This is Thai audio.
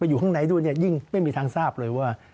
อยู่ข้างในด้วยเนี่ยยิ่งไม่มีทางทราบเลยว่า